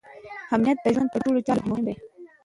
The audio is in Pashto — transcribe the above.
امنیت د ژوند په ټولو چارو کې مهم دی.